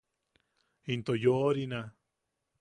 Into yoʼorina.